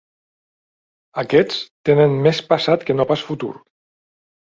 Aquests tenen més passat que no pas futur.